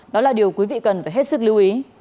đó là điều quý vị cần phải hết sức lưu ý